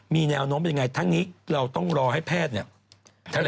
มีแนวโน้มเป็นยังไงทั้งนี้เราต้องรอให้แพทย์เนี่ย